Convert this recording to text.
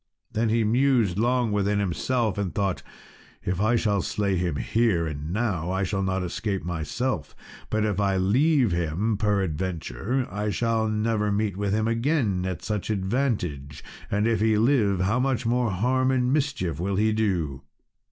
I have aforetime heard of him." Then he mused long within himself, and thought, "If I shall slay him here and now, I shall not escape myself; but if I leave him, peradventure I shall never meet with him again at such advantage; and if he live, how much more harm and mischief will he do!"